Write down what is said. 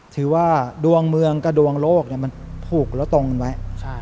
ถือว่าดวงเมืองกับดวงโลกมันผูกแล้วตรงกันไว้